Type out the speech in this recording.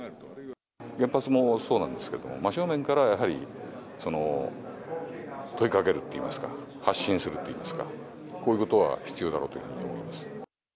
原発もそうなんですけど、真正面からやはり問いかけるっていいますか、発信するっていいますか、こういうことは必要だろうというふうに思います。